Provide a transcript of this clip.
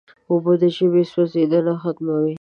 اوبه د ژبې سوځیدنه ختموي.